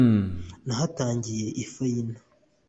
nahatangiye ifayina